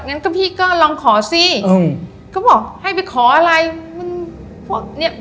งั้นก็พี่ก็ลองขอสิอืมก็บอกให้ไปขออะไรมันพวกเนี้ย